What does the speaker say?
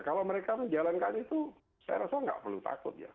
kalau mereka menjalankan itu saya rasa nggak perlu takut ya